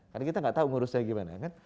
karena kita gak tau ngurusnya gimana